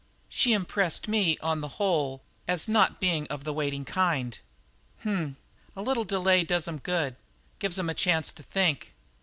"She impressed me, on the whole, as not being of the waiting kind." "H m! A little delay does 'em good; gives 'em a chance to think."